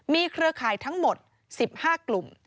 เครือข่ายทั้งหมด๑๕กลุ่ม